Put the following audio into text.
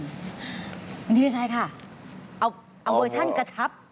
บางทีพี่ชัยค่ะเอาเวอร์ชั่นกระชับ